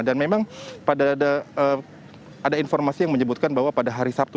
memang pada informasi yang menyebutkan bahwa pada hari sabtu